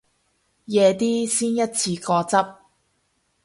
夜啲先一次過執